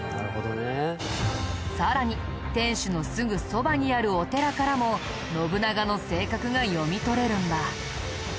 さらに天主のすぐそばにあるお寺からも信長の性格が読み取れるんだ。